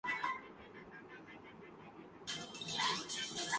ہم سب کے سامنے ہے کتنی ہو رہی